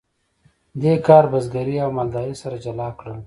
دې کار بزګري او مالداري سره جلا کړل.